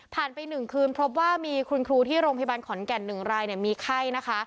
ไป๑คืนพบว่ามีคุณครูที่โรงพยาบาลขอนแก่น๑รายมีไข้นะคะ